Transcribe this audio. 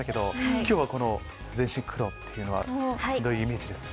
今日は全身黒っていうのはどういうイメージですか？